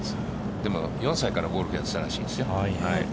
でも４歳からゴルフをやっていたらしいですよ。